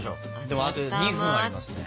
でもあと２分ありますね。